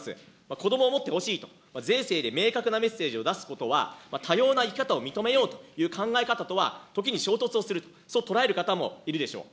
子どもを持ってほしいと、税制で明確なメッセージを出すことは、多様な生き方を認めようという考え方とは、時に衝突をすると、そう捉える方もいるでしょう。